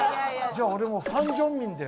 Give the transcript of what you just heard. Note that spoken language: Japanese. じゃあ俺ファン・ジョンミンで。